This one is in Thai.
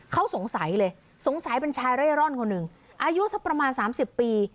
เขาสงสัยเลยสงสัยเป็นชายเร่ร่อนคนหนึ่งอายุสักประมาณ๓๐ปี